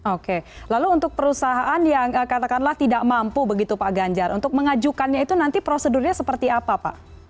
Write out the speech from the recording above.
oke lalu untuk perusahaan yang katakanlah tidak mampu begitu pak ganjar untuk mengajukannya itu nanti prosedurnya seperti apa pak